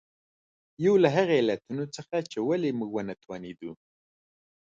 یو له هغو علتونو څخه چې ولې موږ ونه توانېدو.